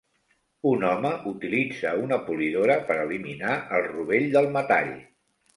Un home utilitza una polidora per eliminar el rovell del metall.